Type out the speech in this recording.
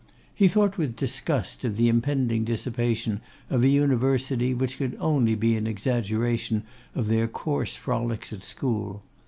He thought with disgust of the impending dissipation of an University, which could only be an exaggeration of their coarse frolics at school.